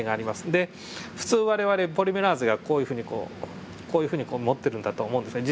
で普通我々ポリメラーゼがこういうふうにこうこういうふうにこう持ってるんだと思うんですね。